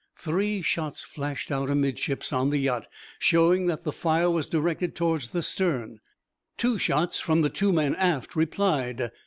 Three shots flashed out, amidships, on the yacht, showing that the fire was directed towards the stern. Two shots from the two men aft replied.